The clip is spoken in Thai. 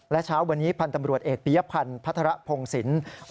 และเช้าวันนี้พันธ์ตำรวจเอกปียพันธ์พัฒระพงศิลป์